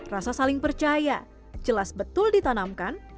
rasa saling percaya jelas betul ditanamkan